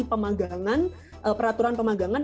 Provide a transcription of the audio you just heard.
pemagangan peraturan pemagangan